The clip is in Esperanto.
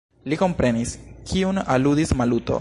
Li komprenis, kiun aludis Maluto.